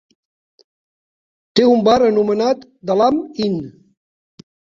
Té un bar anomenat The Lamb Inn.